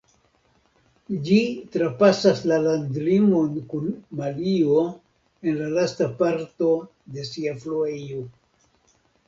Ĝi trapasas la landimon kun Malio en la lasta parto de sia fluejo.